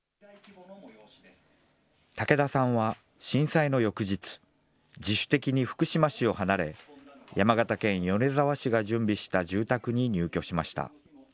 武田さんは震災の翌日、自主的に福島市を離れ、山形県米沢市が準備した住宅に入居しました。